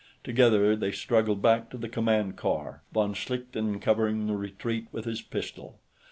Together, they struggled back to the command car, von Schlichten covering the retreat with his pistol.